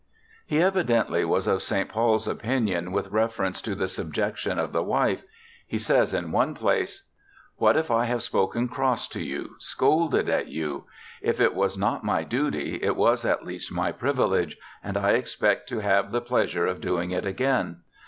He evidently was of St. Paul's opinion with reference to the subjection of the wife. He says in one place :' What if I have spoken cross to you, scolded at you ; if it was not my duty it was at least my privilege, and I expect to have the pleasure of doing it again.